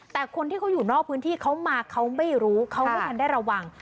แต่คนที่เขาอยู่นอกพื้นที่เขามาเขาไม่รู้เขาไม่ทันได้ระวัง